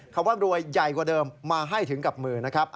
คำว่ารวยใหญ่กว่าเดิมมาให้ถึงกับมือนะครับ